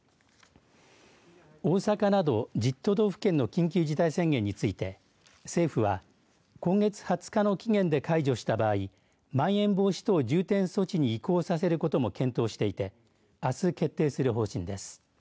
大阪など１０都道府県の緊急事態宣言について政府は、今月２０日の期限で解除した場合まん延防止等重点措置に移行させることも検討していてあす決定する方針です。